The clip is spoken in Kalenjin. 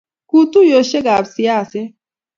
kuu tuiyoshekab siaset